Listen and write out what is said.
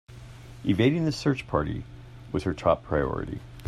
Evading the search party was her top priority.